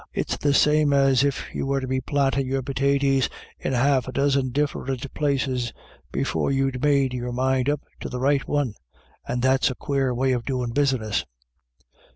" It's the same as if you were to be plantin' your pitaties in half a dozen differint places before you'd made your mind up to the right one ; and that's a quare way of doin' business."